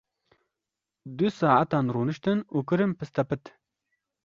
Du saetan rûniştin û kirin pistepit.